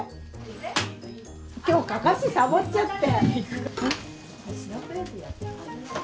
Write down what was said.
今日かかしサボっちゃって。